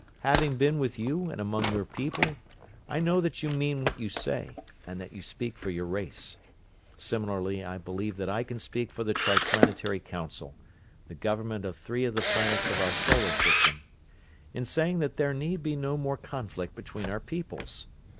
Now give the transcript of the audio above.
"Having been with you and among your people, I know that you mean what you say and that you speak for your race. Similarly, I believe that I can speak for the Triplanetary Council the government of three of the planets of our solar system in saying that there need be no more conflict between our peoples.